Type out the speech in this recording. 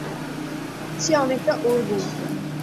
সে অনেকটা ওঁর গুণ।